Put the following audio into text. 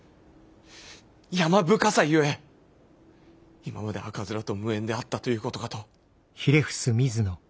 山深さゆえ今まで赤面と無縁であったということかと！